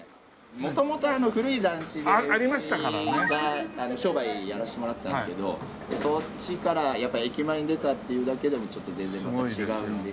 元々古い団地でうちが商売やらせてもらってたんですけどそっちからやっぱ駅前に出たっていうだけでもちょっと全然また違う。